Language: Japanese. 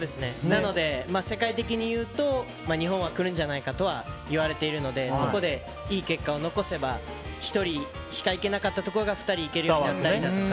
なので世界的に言うと日本は来るんじゃないかとはいわれているのでそこで、いい結果を残せば１人しか行けなかったところが２人行けるようになったりだとか。